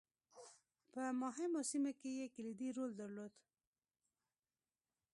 په مهمو سیمو کې یې کلیدي رول درلود.